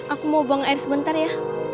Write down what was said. aku mau buang air sebentar ya